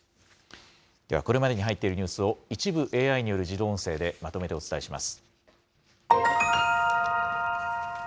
ではこれまでに入っているニュースを、一部ＡＩによる自動音声でまとめてお伝えします。